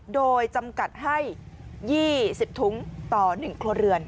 โดยจำกัดให้๒๐ถุงต่อ๑ครัวเรือน